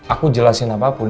aku jelasin apapun